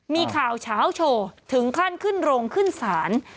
มีข่าวเช้าโชว์ถึงขั้นขึ้นโรงขึ้นศาล